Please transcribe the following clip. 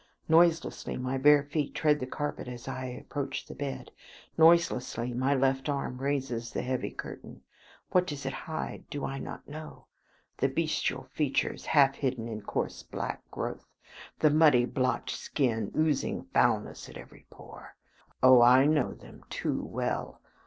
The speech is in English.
Noiselessly my bare feet tread the carpet as I approach the bed; noiselessly my left arm raises the heavy curtain. What does it hide? Do I not know? The bestial features, half hidden in coarse, black growth; the muddy, blotched skin, oozing foulness at every pore. Oh, I know them too well!